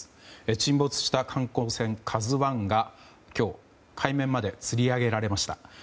沈没した観光船「ＫＡＺＵ１」が今日、海面までつり上げられました。